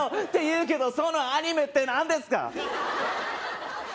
っていうけどそのアニメってなんですか？